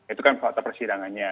itu kan fakta persidangannya